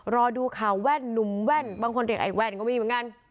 รอดูข่าวแว่นหนุ่มแว่นบางคนเรียกไอ้แว่นก็มีเหมือนกัน